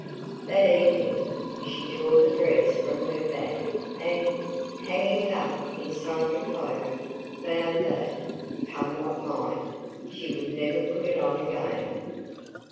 That evening, she tore the dress from her back and, hanging it up inside the cloak, vowed that, come what might, she would never put it on again.